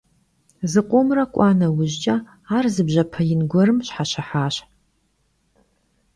Zıkhomre k'ua neujç'e, ar zı bjepe yin guerım şheşıhaş.